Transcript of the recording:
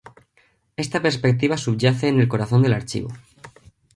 Esta perspectiva subyace en el corazón del archivo".